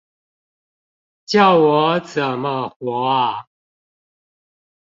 叫我怎麼活啊